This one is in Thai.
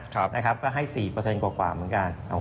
ก็ให้๔กว่าประมาณการ